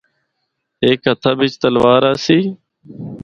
ہک ہتھا بچ تلوار آسی۔